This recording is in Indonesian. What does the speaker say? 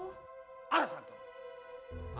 siapa tau mereka tau keberadaan kamu